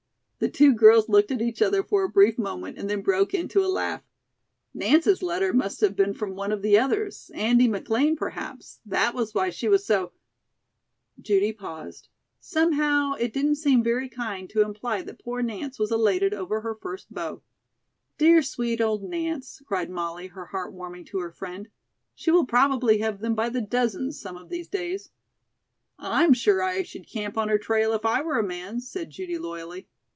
The two girls looked at each other for a brief moment and then broke into a laugh. "Nance's letter must have been from one of the others, Andy McLean, perhaps, that was why she was so " Judy paused. Somehow, it didn't seem very kind to imply that poor Nance was elated over her first beau. "Dear, sweet old Nance!" cried Molly, her heart warming to her friend. "She will probably have them by the dozens some of these days." "I'm sure I should camp on her trail if I were a man," said Judy loyally.